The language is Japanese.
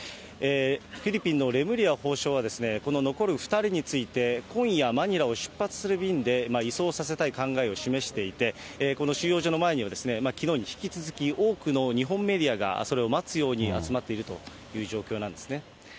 フィリピンのレムリヤ法相はこの残る２人について、今夜、マニラを出発する便で移送させたい考えを示していて、この収容所の前には、きのうに引き続き、多くの日本メディアがそれを待つように集まっているという状況なんですね。